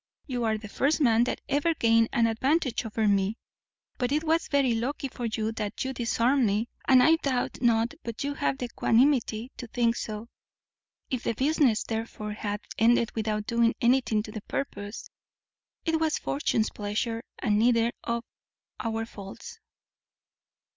You are the first man that ever gained an advantage over me; but it was very lucky for you that you disarmed me, and I doubt not but you have the equananimity to think so. If the business, therefore, hath ended without doing anything to the purpose, it was Fortune's pleasure, and neither of our faults."